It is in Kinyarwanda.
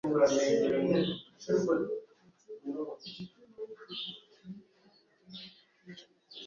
ikamba ry ‘abanyabwenge ni ubutunzi bwabo,